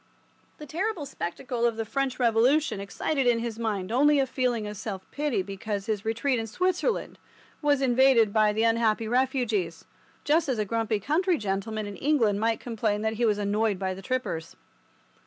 The terrible spectacle of the French Revolution excited in his mind only a feeling of self pity because his retreat in Switzerland was invaded by the unhappy refugees, just as a grumpy country gentleman in England might complain that he was annoyed by the trippers.